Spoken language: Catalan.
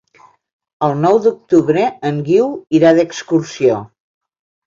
El nou d'octubre en Guiu irà d'excursió.